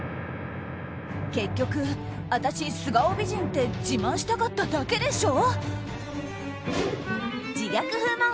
結局、私、素顔美人って自慢したかっただけでしょ。